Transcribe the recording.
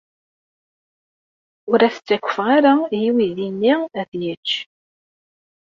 Ur as-ttakf ara i uydi-nni ad yečč.